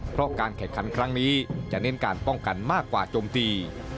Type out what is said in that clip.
เพราะการแข่งขันครั้งนี้จะเน้นการป้องกันมากกว่าจมตี